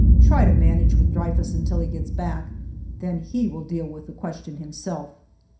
Try to manage with Dreyfus until he gets back ; then he will deal with the question himself."